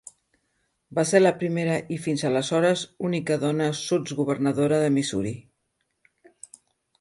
Va ser la primera i fins aleshores única dona sotsgovernadora de Missouri.